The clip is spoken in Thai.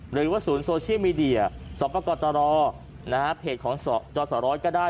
หรือว่าศูนย์โซเชียลมีเดียสปกตรเพจของจสร้อยก็ได้